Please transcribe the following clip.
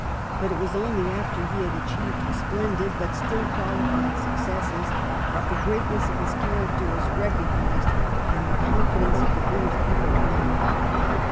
But it was only after he had achieved splendid, but still qualified successes, that the greatness of his character was recognised and the confidence of the British people won.